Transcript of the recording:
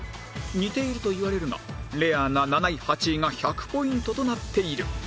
似ていると言われるがレアな７位８位が１００ポイントとなっている